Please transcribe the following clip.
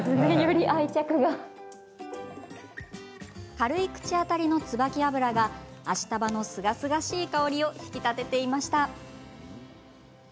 軽い口当たりの椿油がアシタバのすがすがしい香りを引き立てていました。